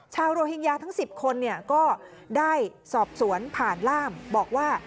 ชาวโรฮิงญาทั้งสิบคนเนี่ยก็ได้สอบสวนผ่านล่ามบอกว่า